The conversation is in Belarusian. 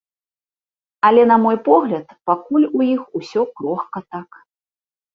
Але на мой погляд, пакуль у іх усё крохка так.